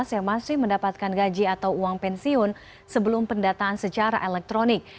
yang masih mendapatkan gaji atau uang pensiun sebelum pendataan secara elektronik